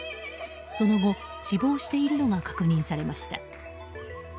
その後、死亡しているのが確認されました。